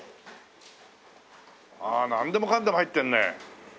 ああなんでもかんでも入ってるね。